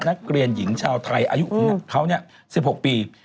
นักเรียนหญิงชาวไทยอายุเขา๑๖ปี